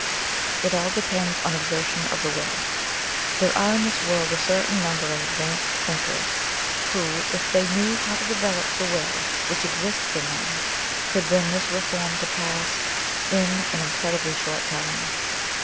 It all depends on exertion of the Will. There are in this world a certain number of advanced thinkers who, if they knew how to develope the Will which exists in them, could bring this reform to pass in an incredibly short time.